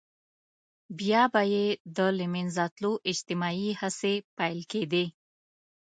بيا به يې د له منځه تلو اجتماعي هڅې پيل کېدې.